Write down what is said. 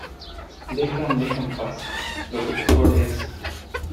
deja a mi hija en paz. lo que te jode es